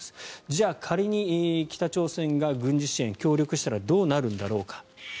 じゃあ仮に北朝鮮が軍事支援、協力したらどうなるんだろうか。